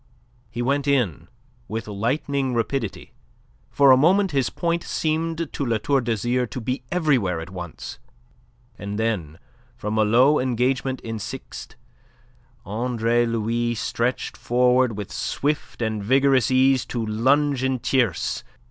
He went in with lightning rapidity. For a moment his point seemed to La Tour d'Azyr to be everywhere at once, and then from a low engagement in sixte, Andre Louis stretched forward with swift and vigorous ease to lunge in tierce.